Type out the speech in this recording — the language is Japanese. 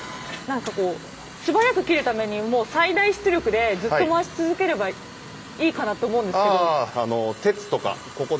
素早く切るためにもう最大出力でずっと回し続ければいいかなと思うんですけど。